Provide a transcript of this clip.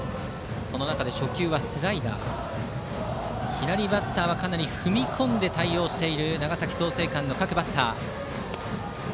左バッターはかなり踏み込んで対応している長崎・創成館の各バッター。